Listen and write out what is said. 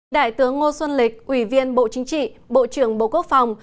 đại tướng ngô xuân lịch ủy viên bộ chính trị bộ trưởng bộ quốc phòng